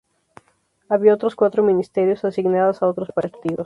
Había otros cuatro ministerios asignadas a otros partidos.